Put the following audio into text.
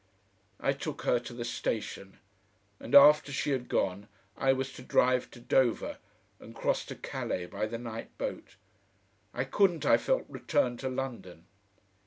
I took her to the station, and after she had gone I was to drive to Dover, and cross to Calais by the night boat. I couldn't, I felt, return to London.